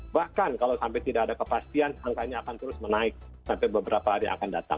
bahkan kalau sampai tidak ada kepastian angkanya akan terus menaik sampai beberapa hari akan datang